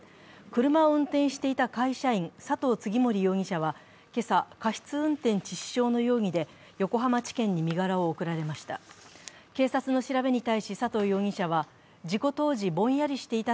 車を運転していた会社員、佐藤次守容疑者は、今朝、過失運転致死傷の容疑で横浜地検に身柄を送られました。